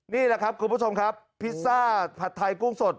นี่แหละครับคุณผู้ชมครับพิซซ่าผัดไทยกุ้งสด